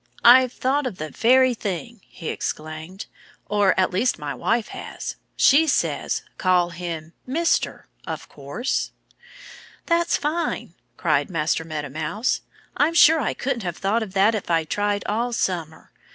"I've thought of the very thing!" he exclaimed. "Or, at least, my wife has. She says, 'Call him "Mister," of course'!" "That's fine!" cried Master Meadow Mouse. "I'm sure I couldn't have thought of that if I'd tried all summer.